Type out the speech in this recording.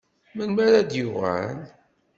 Melmi ara d-yuɣal?